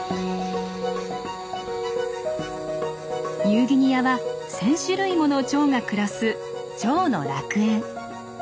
ニューギニアは１，０００種類ものチョウが暮らすチョウの楽園。